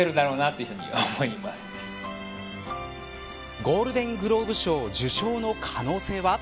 ゴールデン・グローブ賞受賞の可能性は。